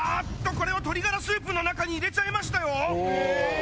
これを鶏ガラスープの中に入れちゃいましたよえ！